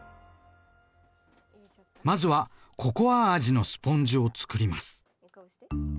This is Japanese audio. まずは「ココア味のスポンジ」をつくります。